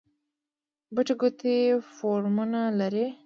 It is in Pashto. بټي کوټ فارمونه لري؟